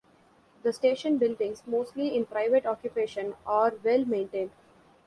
The station buildings, mostly in private occupation, are well maintained.